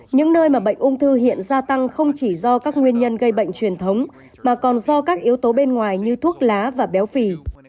những nơi mà bệnh ung thư hiện gia tăng không chỉ do các nguyên nhân gây bệnh truyền thống mà còn do các yếu tố bên ngoài như thuốc lá và béo phì